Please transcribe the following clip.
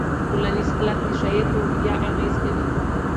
ټولنیز حالات د شاعر په روحیه اغېز کوي.